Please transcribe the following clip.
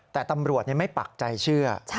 แต่ตำรวจไม่ปักใจเชื่อ